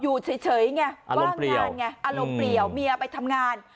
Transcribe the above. อยู่เฉยเฉยไงอารมณ์เปลี่ยวว่างงานไงอารมณ์เปลี่ยวเมียไปทำงาน